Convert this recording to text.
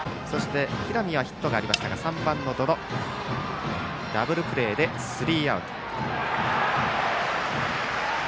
平見はヒットでしたが３番の百々、ダブルプレーでスリーアウト。